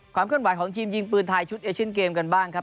ความเคลื่อนไหวของทีมยิงปืนไทยชุดเอเชียนเกมกันบ้างครับ